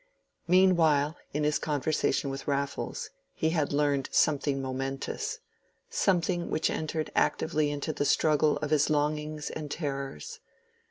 Meanwhile, in his conversation with Raffles, he had learned something momentous, something which entered actively into the struggle of his longings and terrors.